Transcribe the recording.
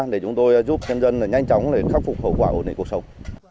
để chúng tôi giúp nhân dân nhanh chóng để khắc phục hậu quả ổn định cuộc sống